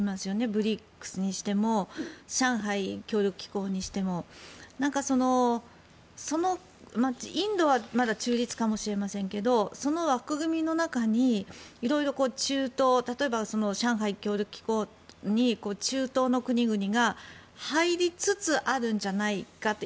ＢＲＩＣＳにしても上海協力機構にしても。インドはまだ中立かもしれませんがその枠組みの中に、色々中東、例えば上海協力機構に中東の国々が入りつつあるんじゃないかって。